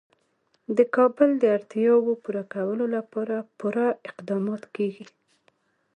د کابل د اړتیاوو پوره کولو لپاره پوره اقدامات کېږي.